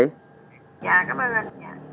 dạ cảm ơn anh